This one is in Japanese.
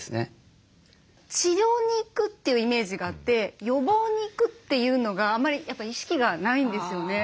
治療に行くというイメージがあって予防に行くっていうのがあんまりやっぱり意識がないんですよね。